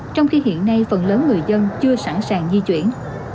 trong khi hiện nay phần lớn người dân chưa sẵn sàng di chuyển